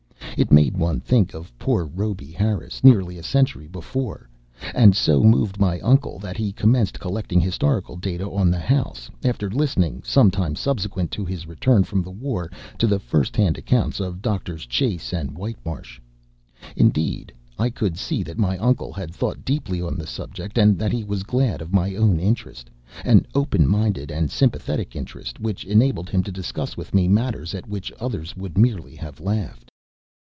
It made one think of poor Rhoby Harris nearly a century before, and so moved my uncle that he commenced collecting historical data on the house after listening, some time subsequent to his return from the war, to the first hand account of Doctors Chase and Whitmarsh. Indeed, I could see that my uncle had thought deeply on the subject, and that he was glad of my own interest an open minded and sympathetic interest which enabled him to discuss with me matters at which others would merely have laughed.